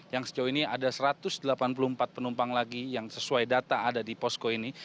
yang sejauh ini ada satu ratus delapan puluh empat penumpang lagi yang sesuai data ada di posko ini